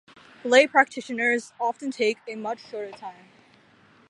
Lay practitioners often take a much shorter time.